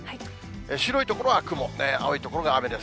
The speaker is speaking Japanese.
白い所は雲、青い所が雨です。